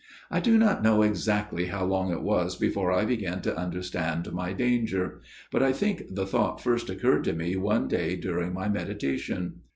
" I do not know exactly how long it was before I began to understand my danger ; but I think the thought first occurred to me one day during my meditation.